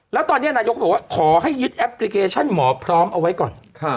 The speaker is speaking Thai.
แล้วตอนนี้นายกก็บอกว่าขอให้ยึดแอปพลิเคชันหมอพร้อมเอาไว้ก่อน